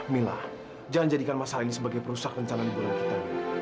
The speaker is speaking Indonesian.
mila jangan jadikan masalah ini sebagai perusak rencana liburan kita